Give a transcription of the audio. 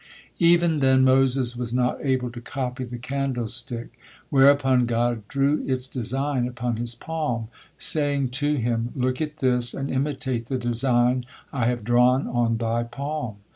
Even then Moses was not able to copy the candlestick, whereupon God drew its design upon his palm, saying to him: "look at this, and imitate the design I have drawn on thy palm."